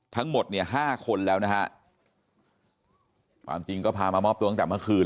ทั้งหมดเนี่ยห้าคนแล้วนะฮะความจริงก็พามามอบตัวตั้งแต่เมื่อคืน